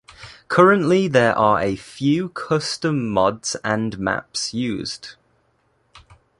Currently there are a few custom mods and maps used.